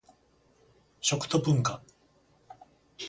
食と文化